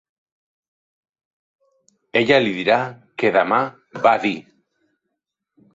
"Ella li dirà que demà", va dir.